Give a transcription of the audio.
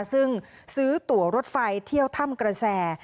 ซึ่งซื้อตัวรถไฟเที่ยวถ้ำกระแส